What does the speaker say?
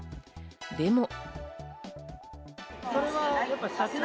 でも。